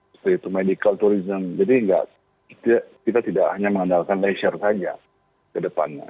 seperti itu medical tourism jadi kita tidak hanya mengandalkan leisure saja ke depannya